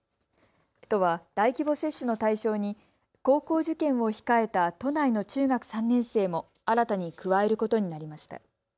都は大規模接種の対象に高校受験を控えた都内の中学３年生も新たに加えることになりました。